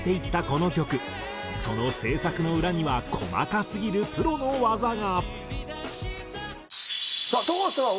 その制作の裏には細かすぎるプロの技が！